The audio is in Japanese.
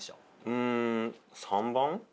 うん３番？